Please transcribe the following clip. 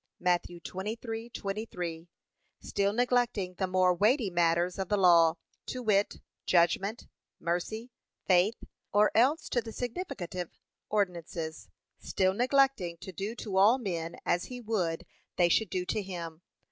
(Matt. 23:23) Still neglecting the more weighty matters of the law, to wit, judgment, mercy, faith; or else to the significative ordinances, still neglecting to do to all men as he would they should do to him.